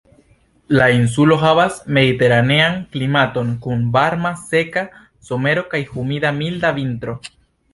La insulo havas mediteranean klimaton kun varma seka somero kaj humida, milda vintro.